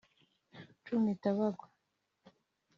nshumita bagwa,